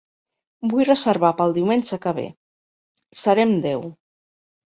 Vull reservar pel diumenge que ve. Serem deu.